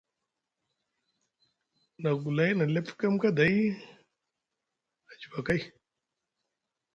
Na gulay na lefkem kaaday a juva gay.